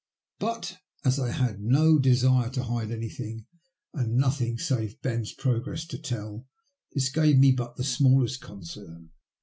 But as I had no MT CHANCE IN LIFE. 16 desire to hide anything^ and nothing, save Ben's progress, to tell, this gave me but the smallest con cern.